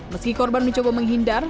meski korban mencoba menghindar